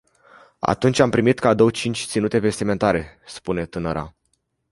Atunci am primit cadou cinci ținute vestimentare, spune tânăra.